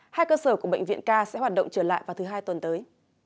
hai cơ sở của bệnh viện k sẽ hoạt động trở lại vào thứ hai tuần tới